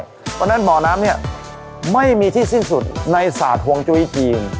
เพราะฉะนั้นป่อน้ำนี้ไม่มีที่สิ้นสุดในสาธวงศ์จุยกิน